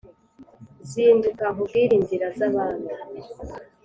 zinduka nkubwire inzira z'abami